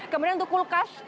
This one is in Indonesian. kemudian untuk kulkas